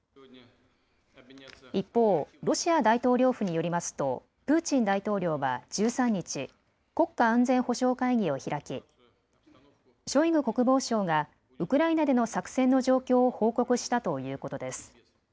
一方、ロシア大統領府によりますとプーチン大統領は１３日、国家安全保障会議を開きショイグ国防相がウクライナでの作戦の状況を報告したということです。